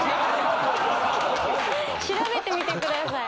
調べてみてください。